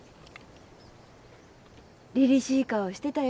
りりしい顔してたよ。